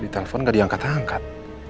ditelepon gak diangkat angkat